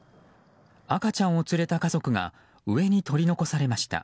赤ちゃんを連れた家族が上に取り残されました。